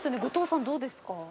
後藤さんどうですか？